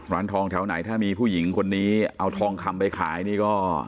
ร้านทองแถวไหนถ้ามีผู้หญิงคนนี้เอาทองคำไปขายนี่ก็